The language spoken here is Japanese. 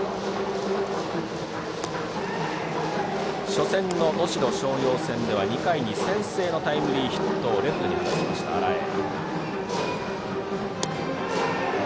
初戦の能代松陽戦では２回に先制のタイムリーヒットをレフトに放ちました、荒江。